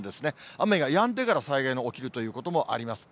雨がやんでから災害が起きるということもあります。